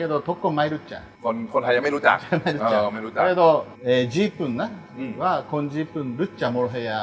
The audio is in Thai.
คนไทยยังไม่รู้จักไม่รู้จักไม่รู้จักแต่ว่าเอ่อญี่ปุ่นนะอืม